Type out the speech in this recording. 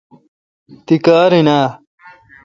تی کار این اؘ